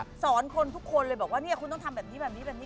สอนคนทุกคนเลยบอกว่าเนี่ยคุณต้องทำแบบนี้แบบนี้แบบนี้